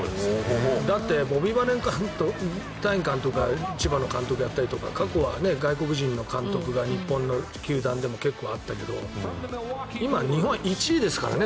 だってボビー・バレンタイン監督が千葉の監督やったりとか過去は外国人の監督が日本の球団でも結構あったけど今、日本は１位ですからね。